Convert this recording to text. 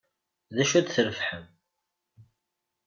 D acu ay d-trebḥem?